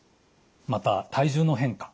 また体重の変化。